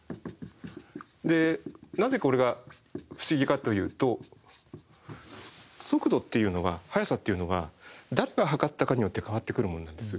でなぜこれが不思議かというと速度っていうのは速さっていうのは誰が測ったかによって変わってくるものなんです。